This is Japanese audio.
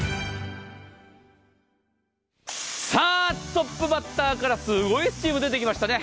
トップバッターからすごいスチーム出てきましたね。